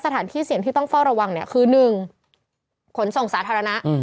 สถานที่เสี่ยงที่ต้องเฝ้าระวังเนี่ยคือ๑ขนส่งสาธารณะ